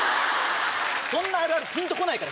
そんなあるあるピンと来ない！